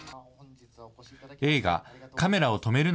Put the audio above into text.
映画、カメラを止めるな！